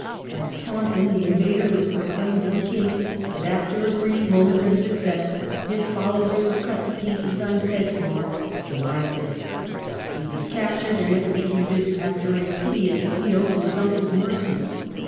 At Taunton the invader was proclaimed as King, but after a brief moment of success his followers were cut to pieces on Sedgmoor (July 6). He was captured and executed, after a piteous appeal to his uncle's mercy.